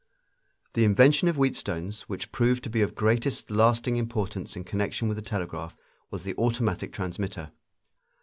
The invention of Wheatstone's which proved to be of greatest lasting importance in connection with the telegraph was the automatic transmitter.